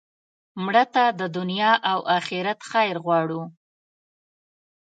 مړه ته د دنیا او آخرت خیر غواړو